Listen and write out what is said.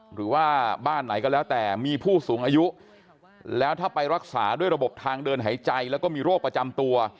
หรือว่าบ้านไหนก็แล้วแต่มีผู้สูงอายุแล้วถ้าไปรักษาด้วยระบบทางเดินหายใจแล้วก็มีโรคประจำตัว